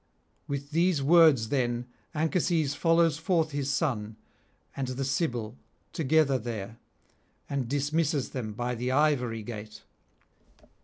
With these words then Anchises follows forth his son and the Sibyl together there, and dismisses them by the ivory gate.